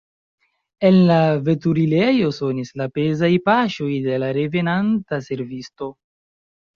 En la veturilejo sonis la pezaj paŝoj de la revenanta servisto.